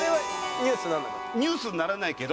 ニュースにならないけど。